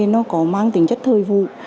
nó có mang tính chất thời vụ